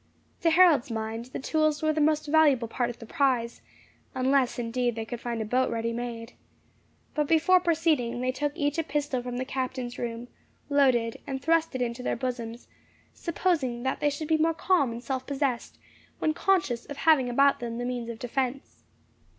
To Harold's mind the tools were the most valuable part of the prize, unless indeed they could find a boat ready made. But before proceeding, they took each a pistol from the captain's room, loaded, and thrust it into their bosoms, supposing that they should be more calm and self possessed, when conscious of having about them the means of defence.